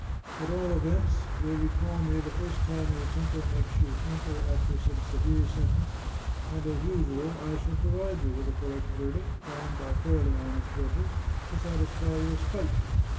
At all events, you'll recall me the first time your temper makes you hanker after some severe sentence, and, as usual, I shall provide you with a correct verdict, found by fairly honest judges, to satisfy your spite.